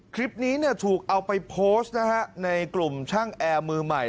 คลิปนี้ถูกเอาไปโพสต์นะฮะในกลุ่มช่างแอร์มือใหม่